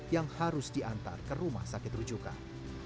yang harus diantar ke rumah sakit rujukan